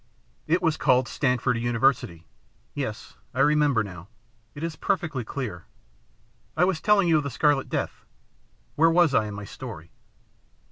It was called Stanford University. Yes, I remember now. It is perfectly clear. I was telling you of the Scarlet Death. Where was I in my story?"